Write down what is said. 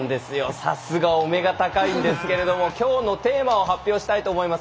さすがお目が高いんですけれどもきょうのテーマを発表したいと思います。